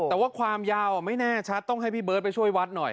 แต่ว่าความยาวไม่แน่ชัดต้องให้พี่เบิร์ตไปช่วยวัดหน่อย